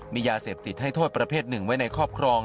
มียาเสพติดให้โทษประเภทหนึ่งไว้ในครอบครอง